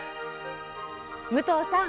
武藤さん